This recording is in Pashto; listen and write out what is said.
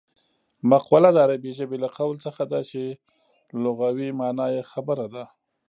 مقوله د عربي ژبې له قول څخه ده چې لغوي مانا یې خبره ده